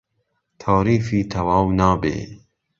تاریفی تهواو نابێ